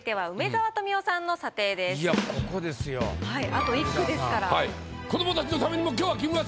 あと１句ですから。